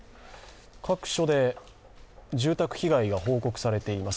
各所で住宅被害が報告されています。